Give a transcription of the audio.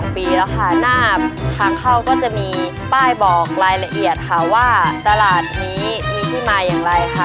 ปีแล้วค่ะหน้าทางเข้าก็จะมีป้ายบอกรายละเอียดค่ะว่าตลาดนี้มีที่มาอย่างไรค่ะ